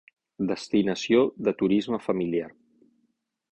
Destinació de Turisme Familiar.